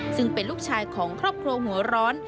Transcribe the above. ซึ่งเป็นลูกชายของครอบครัวหัวร้อน